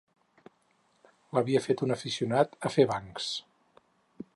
L'havia fet un aficionat a fer bancs